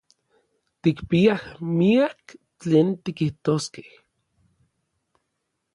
Tikpiaj miak tlen tikijtoskej.